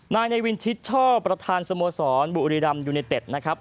นายในวินชิดชอบประธานสโมสรบุรีรำยูเนเต็ดนะครับ